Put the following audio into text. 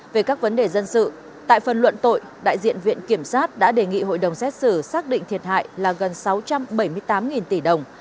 về các vấn đề dân sự tại phần luận tội đại diện viện kiểm sát đã đề nghị hội đồng xét xử xác định thiệt hại là gần sáu trăm bảy mươi tám tỷ đồng